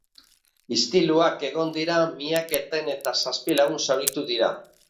Istiluak egon dira miaketan eta zazpi lagun zauritu dira.